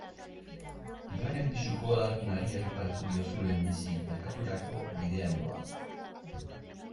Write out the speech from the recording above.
Bigarren pisuko alargunari erreparatu diozu lehenbizi, merkaturako bidean doa.